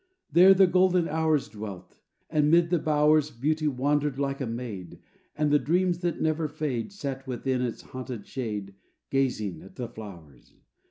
There the golden Hours Dwelt; and 'mid the bowers Beauty wandered like a maid; And the Dreams that never fade Sat within its haunted shade Gazing at the flowers.